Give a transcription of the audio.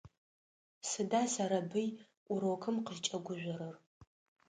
Сыда Сэрэбый урокым къызкӏэгужъорэр?